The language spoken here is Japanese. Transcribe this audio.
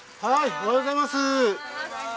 おはようございます。